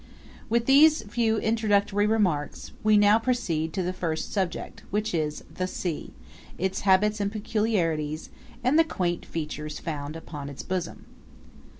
With these few introductory remarks we now proceed to the first subject, which is The Sea: Its Habits and Peculiarities, and the Quaint Creatures Found upon Its Bosom.